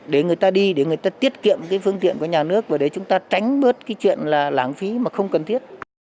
để người ta đi để người ta tiết kiệm cái phương tiện của nhà nước và để chúng ta tránh bớt cái chuyện là lãng phí mà không cần thiết